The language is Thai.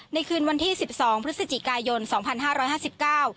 คืนวันที่สิบสองพฤศจิกายนสองพันห้าร้อยห้าสิบเก้า